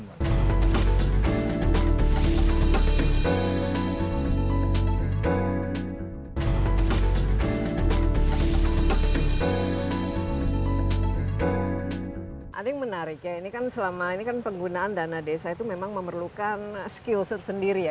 ada yang menarik ya ini kan selama ini kan penggunaan dana desa itu memang memerlukan skills tersendiri ya